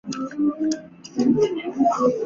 后以郎中身份跟从朱文正镇守南昌。